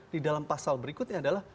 di dalam pasal berikutnya adalah